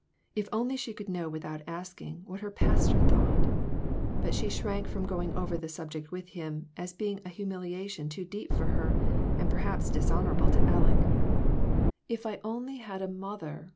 If only she could know without asking, what her pastor thought ! But she shrank from going over the subject with him, as being a humiliation too deep for her, and perhaps dishonorable to Aleck. " If I only had a mother!